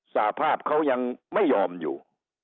สภาพเขายังไม่ยอมอยู่